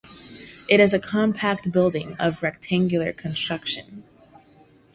It is a compact building of rectangular construction.